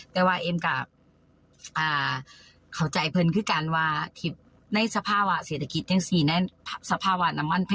เตะกี้ก็บอกว่ากลัวแทร่งด้วย